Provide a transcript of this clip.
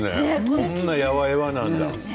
こんなに、やわやわなんだ。